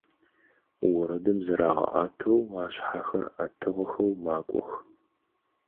Орэдым зырагъэӀэтэу, ашъхьэхэр Ӏэтыгъэхэу макӀох.